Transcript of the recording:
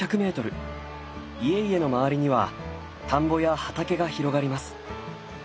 家々の周りには田んぼや畑が広がります。